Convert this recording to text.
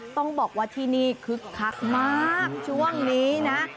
ต้องบอกว่าที่นี่คึกคักมากช่วงนี้นะ